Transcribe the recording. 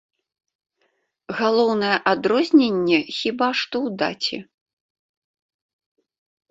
Галоўнае адрозненне хіба што ў даце.